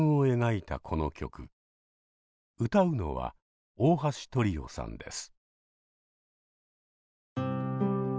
歌うのは大橋トリオさんです。